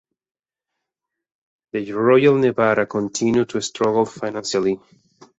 The Royal Nevada continued to struggle financially.